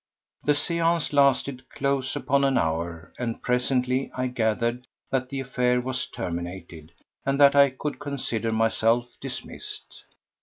The séance lasted close upon an hour, and presently I gathered that the affair was terminated and that I could consider myself dismissed.